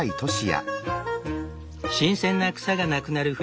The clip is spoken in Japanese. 新鮮な草がなくなる冬。